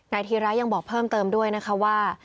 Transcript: ธีระยังบอกเพิ่มเติมด้วยนะคะว่า